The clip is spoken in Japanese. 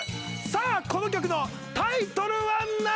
さあこの曲のタイトルは何？